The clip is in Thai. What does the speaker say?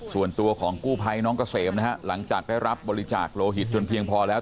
ส่วนตัวของกู้ภัยน้องเกษมนะฮะหลังจากได้รับบริจาคโลหิตจนเพียงพอแล้ว